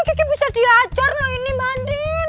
kiki bisa diajar loh ini mbak andin